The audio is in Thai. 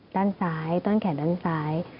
ด้านซ้ายต้นแขนด้านซ้าย